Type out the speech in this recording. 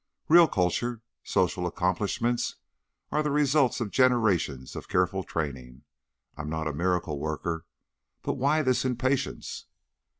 "Real culture, social accomplishments, are the results of generations of careful training. I'm not a miracle worker. But why this impatience?"